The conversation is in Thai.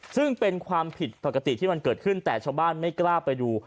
ซึ่งเป็นความผิดปกติที่มันเกิดขึ้นแต่ชาวบ้านไม่กล้าไปดู